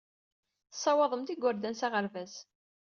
Tessawaḍemt igerdan s aɣerbaz.